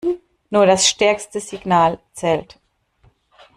Nur das stärkste Signal zählt.